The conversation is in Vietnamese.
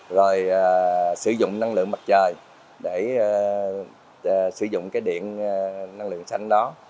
rồi sử dụng năng lượng mặt trời để sử dụng cái điện năng lượng xanh đó